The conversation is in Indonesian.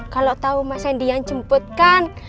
kalo tau mas randy yang jemput kan